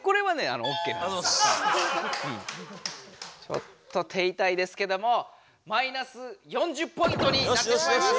ちょっと手いたいですけどもマイナス４０ポイントになってしまいます。